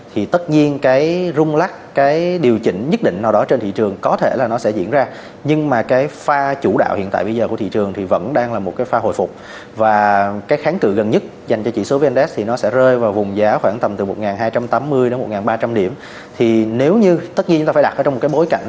thì nếu như tất nhiên chúng ta phải đặt ở trong một cái bối cảnh